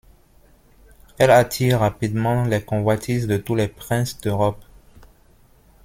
Elle attire rapidement les convoitises de tous les princes d'Europe.